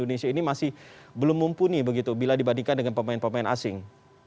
apa yang belum mumpuni begitu bila dibandingkan dengan pemain pemain asing